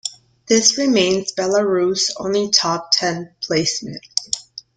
This remains Belarus' only top ten placement.